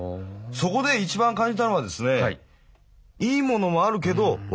そこで一番感じたのはですね